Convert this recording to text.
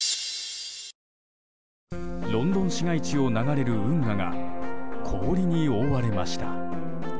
ロンドン市街地を流れる運河が氷に覆われました。